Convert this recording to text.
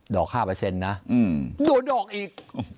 เราหลอก๕นะโดนหลอกอีก